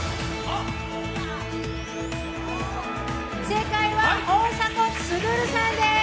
正解は大迫傑さんです。